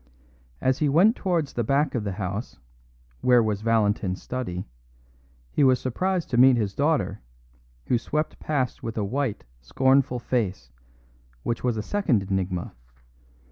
As he went towards the back of the house, where was Valentin's study, he was surprised to meet his daughter, who swept past with a white, scornful face, which was a second enigma.